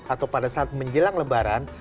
atau pada saat menjelang lebaran